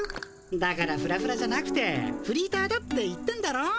だからフラフラじゃなくてフリーターだって言ってんだろ。